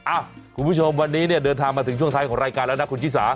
คุณผู้ชมวันนี้เนี่ยเดินทางมาถึงช่วงท้ายของรายการแล้วนะคุณชิสา